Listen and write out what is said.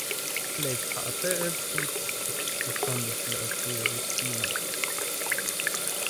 "Plejparte el pipro," respondis la kuiristino.